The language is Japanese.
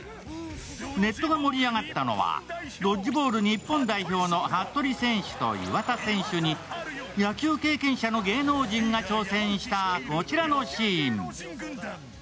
ネットが盛り上がったのはドッジボール日本代表の服部選手と岩田選手に野球経験者の芸能人が挑戦したこちらのシーン。